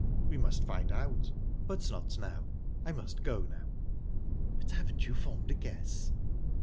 "We must find out but not now. I must go now." "But haven't you formed a guess?"